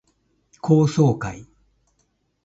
高層階